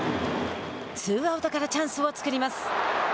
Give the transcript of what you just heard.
ツーアウトからチャンスを作ります。